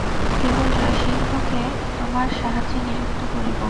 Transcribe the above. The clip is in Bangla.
কেবল জয়সিংহকে তোমার সাহায্যে নিযুক্ত করিব।